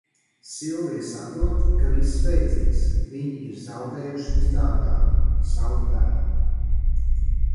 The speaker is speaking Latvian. Silvija saprot, ka viss beidzies, viņi ir zaudējuši visdārgāko, savu dēlu.